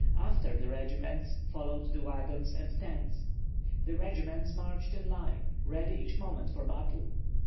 After the regiments followed the wagons and tents. The regiments marched in line, ready each moment for battle.